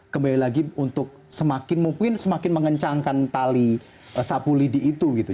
kembali lagi untuk semakin mungkin semakin mengencangkan tali sapu lidi itu gitu